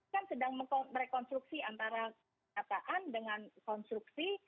kan sedang merekonstruksi antara nyataan dengan konstruksi